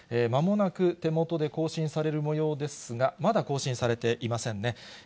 まもなく手元で更新されるもようですが、まだ更新されていませんね。